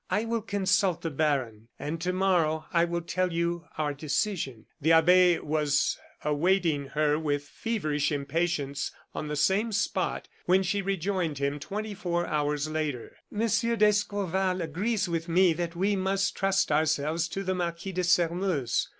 I will consult the baron, and to morrow I will tell you our decision." The abbe was awaiting her with feverish impatience on the same spot, when she rejoined him twenty four hours later. "Monsieur d'Escorval agrees with me that we must trust ourselves to the Marquis de Sairmeuse.